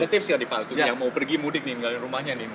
ada tips ya di pak yang mau pergi mudik nih tinggal di rumahnya nih